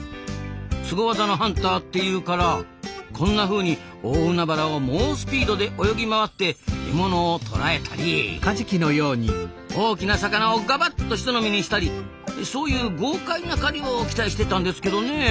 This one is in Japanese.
スゴ技のハンターっていうからこんなふうに大海原を猛スピードで泳ぎ回って獲物を捕らえたり大きな魚をガバッと一飲みにしたりそういう豪快な狩りを期待してたんですけどねえ。